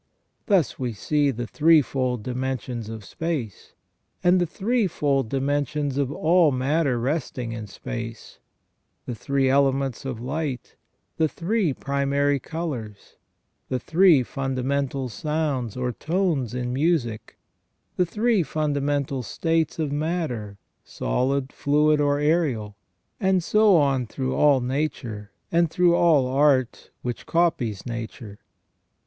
Thus we see the threefold dimensions of space, and the threefold dimensions of all matter resting in space ; the three elements in light ; the three primary colours ; the three fundamental sounds or tones in music ; the three fundamental states of matter, solid, fluid, or aerial ; and so on through all nature, and through all art which copies nature.